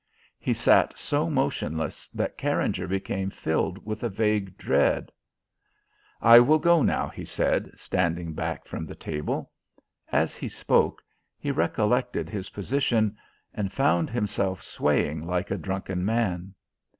He sat so motionless that Carringer became filled with a vague dread. "I will go now," he said, standing back from the table. As he spoke he recollected his position and found himself swaying like a drunken man.